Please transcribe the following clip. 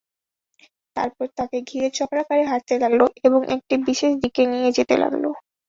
তারপর তাকে ঘিরে চক্রাকারে হাঁটতে লাগল এবং একটি বিশেষ দিকে নিয়ে যেতে লাগল।